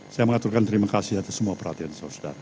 saya mengaturkan terima kasih atas semua perhatian saudara